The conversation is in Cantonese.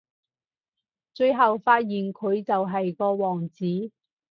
最後發現佢就係個王子